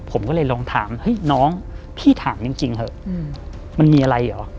ผมก็เลยลองถามเฮ้ยน้องพี่ถามจริงเถอะมันมีอะไรเหรอ